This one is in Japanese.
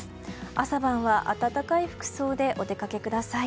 朝晩は暖かい服装でお出かけください。